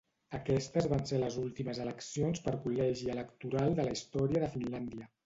Aquestes van ser les últimes eleccions per col·legi electoral de la història de Finlàndia.